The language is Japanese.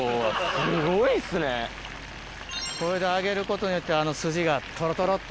これで揚げることによって、あの筋がとろとろっと。